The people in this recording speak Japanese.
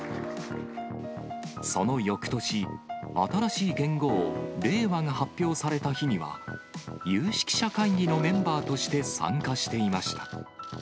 そのよくとし、新しい元号、令和が発表された日には、有識者会議のメンバーとして参加していました。